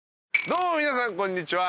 どうも皆さんこんにちは。